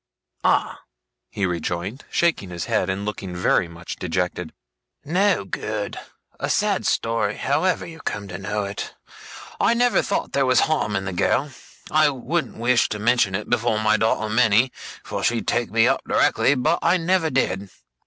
'Ah!' he rejoined, shaking his head, and looking very much dejected. 'No good. A sad story, sir, however you come to know it. I never thought there was harm in the girl. I wouldn't wish to mention it before my daughter Minnie for she'd take me up directly but I never did.